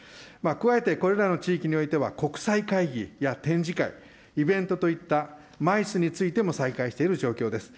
加えてこれらの地域においては、国際会議や展示会、イベントといった、マイスについても再開している状況です。